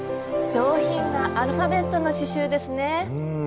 上品なアルファベットの刺しゅうですね。